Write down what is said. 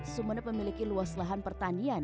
sumeneb memiliki luas lahan pertanian